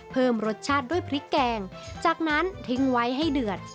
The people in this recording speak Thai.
เพิ่มรสชาติด้วยพริกแกงจากนั้นทิ้งไว้ให้เดือด